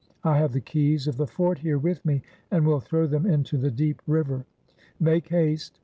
I have the keys of the fort here with me, and will throw them into the deep river. Make haste.